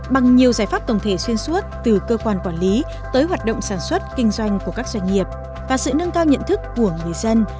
bằng nhiều giải pháp tổng thể xuyên suốt từ cơ quan quản lý tới hoạt động sản xuất kinh doanh của các doanh nghiệp và sự nâng cao nhận thức của người dân